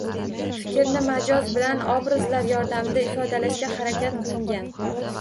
Fikrni majoz bilan, obrazlar yordamida ifodalashga harakat qilingan